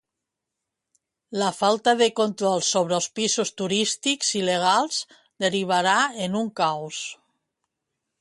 La falta de control sobre els pisos turístics il·legals derivarà en un caos.